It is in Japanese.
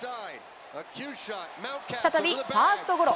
再び、ファーストゴロ。